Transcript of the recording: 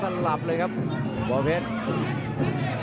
มันจะสลับเลยครับบ่อเพชร